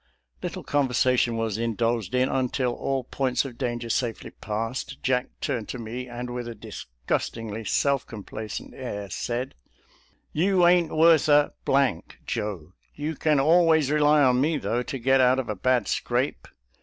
Little conversation was indulged in until, all points of danger safely passed, Jack turned to me, and with a disgustingly self complacent air said, "You ain't worth a , Joe. You can al ways rely on me, though, to get out of a bad scrape.